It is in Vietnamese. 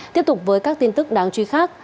tiếp tục với các tin tức đáng truy khác